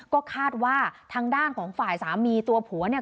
ก็คาดว่าทางด้านของฝ่ายสามีตัวผัวเนี่ย